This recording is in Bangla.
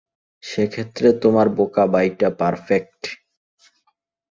সেক্ষেত্রে তোমার বোকা ভাইটা পার্ফেক্ট।